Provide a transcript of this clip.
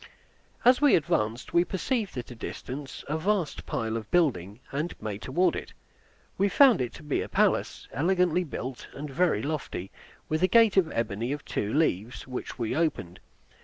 As we advanced, we perceived at a distance a vast pile of building, and made toward it. We found it to be a palace, elegantly built, and very lofty, with a gate of ebony of two leaves, which we opened.